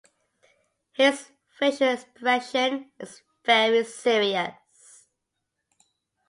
His facial expression is very serious.